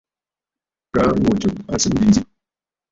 Kaa ŋù tsù à sɨ mbìì zî.